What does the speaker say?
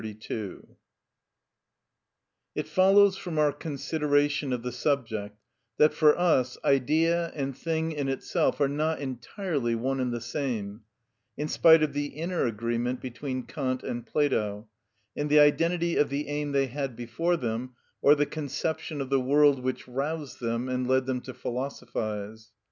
(45) § 32. It follows from our consideration of the subject, that, for us, Idea and thing in itself are not entirely one and the same, in spite of the inner agreement between Kant and Plato, and the identity of the aim they had before them, or the conception of the world which roused them and led them to philosophise.